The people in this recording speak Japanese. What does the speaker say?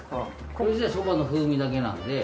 これじゃあそばの風味だけなんで。